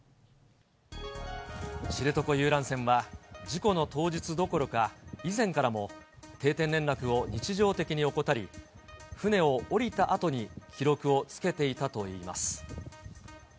知床遊覧船は、事故の当日どころか、以前からも定点連絡を日常的に怠り、船を下りたあとに記録をつけていたといいます。